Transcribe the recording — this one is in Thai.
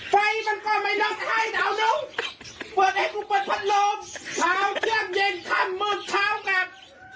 ไฟมันก็ไม่นับไข้เอานุ้งเปิดให้กูเปิดพัดลมเอาเทียบเย็นค่ำมืดเช้ากับ